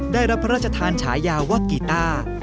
ได้รับพระราชทานฉายาว่ากีต้า